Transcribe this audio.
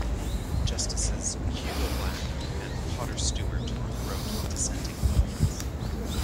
Justices Hugo Black and Potter Stewart wrote dissenting opinions.